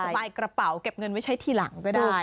อิ่มกับสไตล์กระเป๋าเก็บเงินไว้ใช้ทีหลังก็ได้